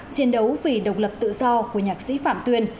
chiến đấu vì độc lập tự do của nhạc sĩ phạm tuyên